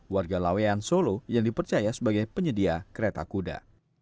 warga lawean solo yang dipercaya sebagai penyedia kereta kuda